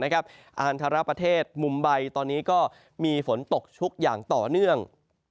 อาคารประเทศมุมใบตอนนี้ก็มีฝนตกชุกอย่างต่อเนื่อง